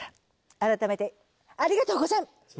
改めてありがとうござ。